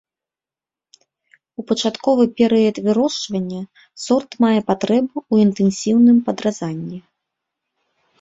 У пачатковы перыяд вырошчвання сорт мае патрэбу ў інтэнсіўным падразанні.